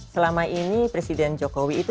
selama ini presiden jokowi itu